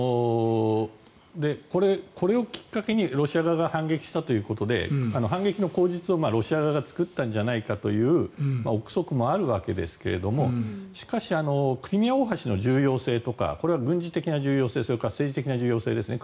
これをきっかけにロシア側が反撃したということで反撃の口実をロシア側が作ったんじゃないかという臆測もあるわけですけれどもしかしクリミア大橋の重要性とかこれは軍事的な重要性それから政治的な重要性ですね